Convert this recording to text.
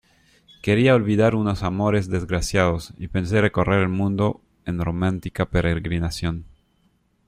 quería olvidar unos amores desgraciados, y pensé recorrer el mundo en romántica peregrinación.